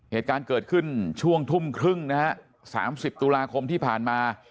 เหตุการณ์เกิดขึ้นช่วงทุ่มครึ่งนะฮะ๓๐ตุลาคมที่ผ่านมา